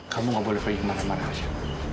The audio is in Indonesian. kamu gak boleh pergi kemana mana kasih